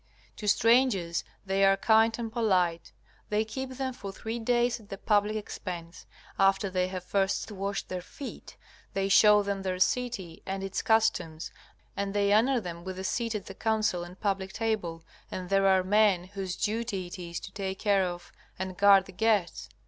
To strangers they are kind and polite; they keep them for three days at the public expense; after they have first washed their feet, they show them their city and its customs, and they honor them with a seat at the Council and public table, and there are men whose duty it is to take care of and guard the guests.